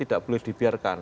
tidak boleh dibiarkan